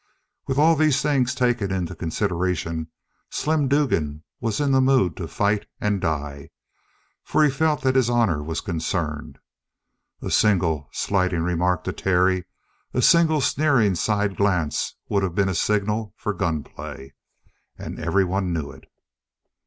With all these things taken into consideration, Slim Dugan was in the mood to fight and die; for he felt that his honor was concerned. A single slighting remark to Terry, a single sneering side glance, would have been a signal for gunplay. And everyone knew it.